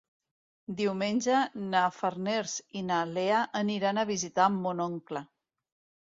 Diumenge na Farners i na Lea aniran a visitar mon oncle.